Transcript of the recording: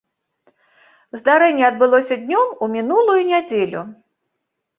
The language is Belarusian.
Здарэнне адбылося днём у мінулую нядзелю.